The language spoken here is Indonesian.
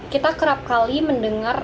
kita kerap kali mendengar